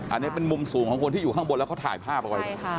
อันนี้เป็นมุมสูงของคนที่อยู่ข้างบนแล้วเขาถ่ายภาพเอาไว้